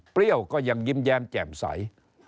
เปรี้ยวก็ยังยิ้มแยมแจ่มใส